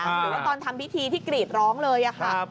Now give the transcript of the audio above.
หรือว่าตอนทำพิธีที่กรีดร้องเลยค่ะ